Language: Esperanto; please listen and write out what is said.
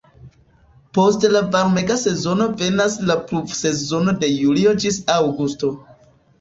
Post la varmega sezono venas la "pluvsezono" de julio ĝis aŭgusto.